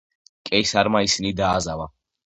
კეისარმა ისინი დააზავა.